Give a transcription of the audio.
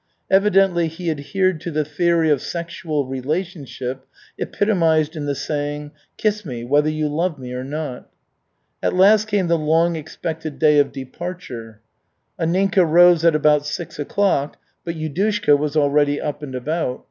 Evidently he adhered to the theory of sexual relationship epitomized in the saying, "Kiss me, whether you love me or not." At last came the long expected day of departure. Anninka rose at about six o'clock, but Yudushka was already up and about.